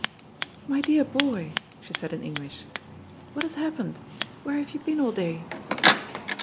" My dear boy," she said in English, " what has happened ? Where have you been all day